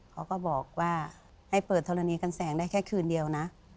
เขาก็บอกว่าให้เปิดธรณีกันแสงได้แค่คืนเดียวนะ